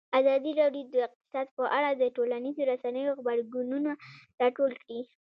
ازادي راډیو د اقتصاد په اړه د ټولنیزو رسنیو غبرګونونه راټول کړي.